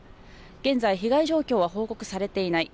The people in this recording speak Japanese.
現在、被害状況は報告されていない。